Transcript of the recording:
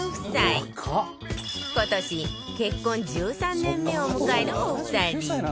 今年結婚１３年目を迎えるお二人